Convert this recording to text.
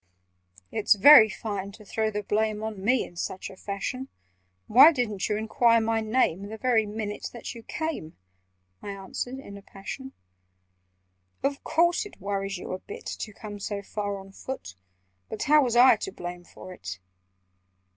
"It's very fine to throw the blame On me in such a fashion! Why didn't you enquire my name The very minute that you came?" I answered in a passion. "Of course it worries you a bit To come so far on foot— But how was I to blame for it?"